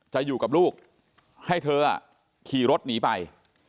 จะอยู่กับลูกให้เธอขี่รถหนีไป